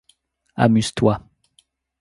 Amuse-toi.